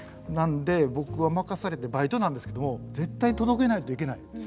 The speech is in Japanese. なので僕は任されてバイトなんですけども絶対届けないといけない。